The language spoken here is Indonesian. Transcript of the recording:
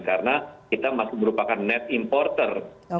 karena kita masih merupakan net importer